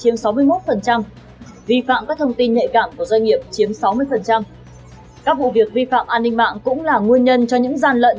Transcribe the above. mạng cũng là nguyên nhân cho những gian lận